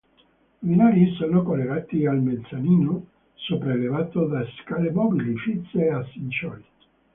I binari sono collegati al mezzanino sopraelevato da scale mobili, fisse e ascensori.